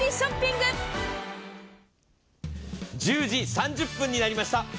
１０時３０分になりました。